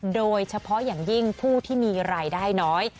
โดยเฉพาะอย่างยิ่งผู้ที่มีรายได้น้อย